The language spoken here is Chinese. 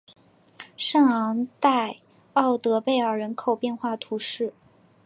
圣昂代奥德贝尔人口变化图示